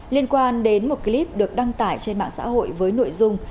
liên quan đến một clip được đăng tải trên mạng xã hội với nội dung